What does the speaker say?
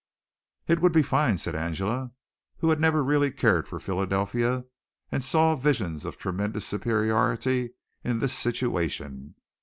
"It would be fine," said Angela, who had never really cared for Philadelphia and who saw visions of tremendous superiority in this situation.